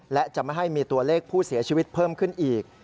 และจะไม่ให้มีตัวเลขผู้เสียชีวิตเพิ่มขึ้นอีก